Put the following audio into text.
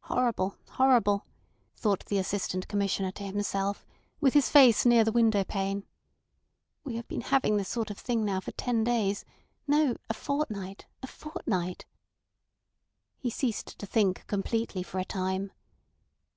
"Horrible, horrible!" thought the Assistant Commissioner to himself, with his face near the window pane. "We have been having this sort of thing now for ten days; no, a fortnight—a fortnight." He ceased to think completely for a time.